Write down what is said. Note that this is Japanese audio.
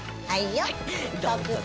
はい。